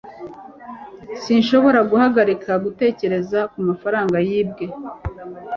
Sinshobora guhagarika gutekereza kumafaranga yibwe